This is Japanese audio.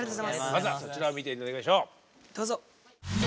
まずはそちらを見て頂きましょう。